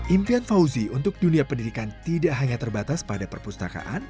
impian fauzi untuk dunia pendidikan tidak hanya terbatas pada perpustakaan